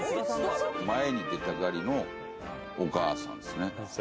前に出たがりのお母さんです